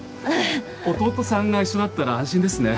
弟さんが一緒だったら安心ですね。